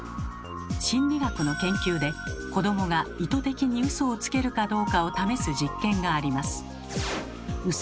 心理学の研究で子どもが意図的にウソをつけるかどうかを試す実験があります。